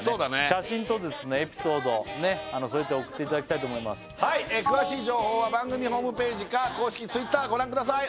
写真とエピソード添えて送っていただきたいと思います詳しい情報は番組ホームページか公式Ｔｗｉｔｔｅｒご覧ください